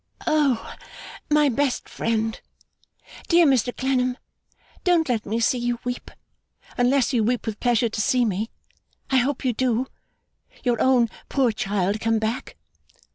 'O, my best friend! Dear Mr Clennam, don't let me see you weep! Unless you weep with pleasure to see me. I hope you do. Your own poor child come back!